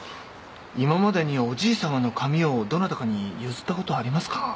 今までにおじいさまの紙をどなたかに譲ったことありますか？